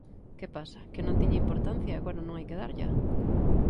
¿Que pasa, que non tiña importancia e agora non hai que darlla?